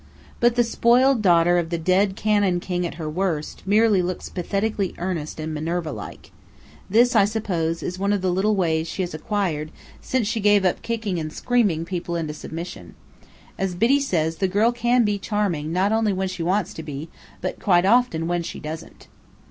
But the spoiled daughter of the dead Cannon King at her worst, merely looks pathetically earnest and Minerva like. This, I suppose, is one of the "little ways" she has acquired, since she gave up kicking and screaming people into submission. As Biddy says, the girl can be charming not only when she wants to be, but quite often when she doesn't.